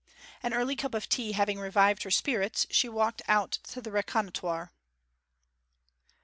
An early cup of tea having revived her spirits she walked out to reconnoitre.